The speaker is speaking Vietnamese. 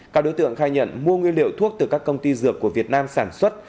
các đối tượng khai nhận mua nguyên liệu thuốc từ các công ty dược của việt nam sản xuất